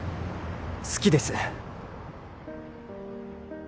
好きです